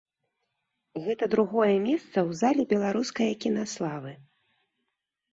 Гэта другое месца ў зале беларускае кінаславы.